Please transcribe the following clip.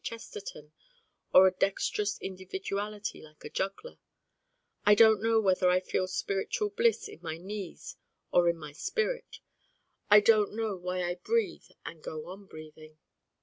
Chesterton or a dexterous individuality like a juggler: I don't know whether I feel spiritual bliss in my knees or in my spirit: I don't know why I breathe and go on breathing.